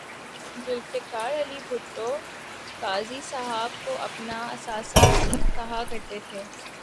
ذوالفقار علی بھٹو قاضی صاحب کو اپنا اثاثہ کہا کر تے تھے